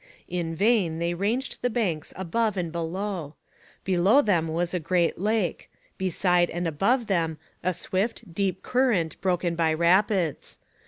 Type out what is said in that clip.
In vain they ranged the banks above and below. Below them was a great lake; beside and above them a swift, deep current broken by rapids.